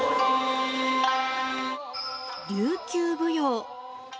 琉球舞踊。